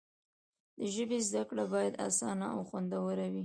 د ژبې زده کړه باید اسانه او خوندوره وي.